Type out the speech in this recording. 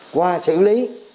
qua xử lý